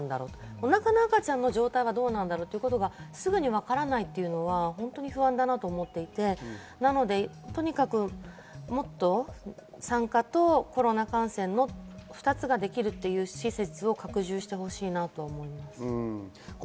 お腹の赤ちゃんの状態がどうなんだろうということがすぐに分からないというのは本当に不安だなと思っていて、産科とコロナ感染の２つができる施設を拡充してほしいなと思います。